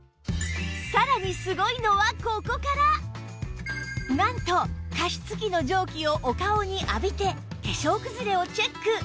さらになんと加湿器の蒸気をお顔に浴びて化粧くずれをチェック